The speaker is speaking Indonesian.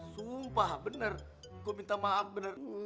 sumpah bener gue minta maaf bener